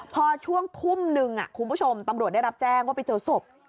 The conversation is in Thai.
พอช่วงทุ่มนึงคุณผู้ชมตำรวจได้รับแจ้งว่าไปเจอศพ